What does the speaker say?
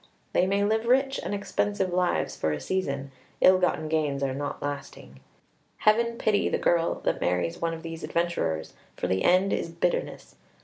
They may live rich and expensive lives for a season; ill gotten gains are not lasting. Heaven pity the girl that marries one of these adventurers, for the end is bitterness!